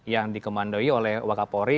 yang dikemandoi oleh wak kapolri